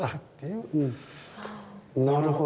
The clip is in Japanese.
なるほど。